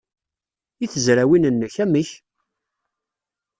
I tezrawin-nnek, amek?